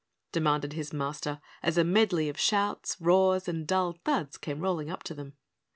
demanded his Master, as a medley of shouts, roars, and dull thuds came rolling up to them.